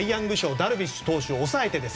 ダルビッシュ投手を抑えて。